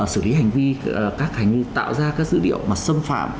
xử lý hành vi các hành vi tạo ra các dữ liệu mà xâm phạm